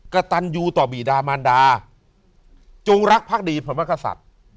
กระตันยูต่อบีดามันดาจงรักภักดีพระมกษัตริย์